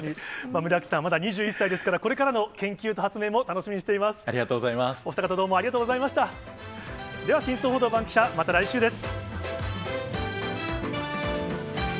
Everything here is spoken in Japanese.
村木さんはまだ２１歳ですから、これからの研究と発明も楽しみにしています。